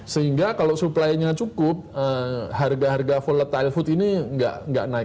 sehingga kalau supply nya cukup harga harga volatile food ini nggak naik